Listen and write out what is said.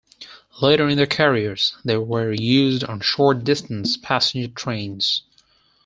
Later in their careers, they were used on short distance passenger trains.